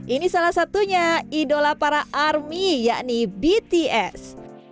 ini salah satunya idola para army yakni bts